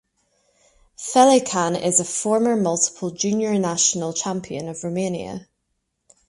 Felecan is a former multiple junior national champion of Romania.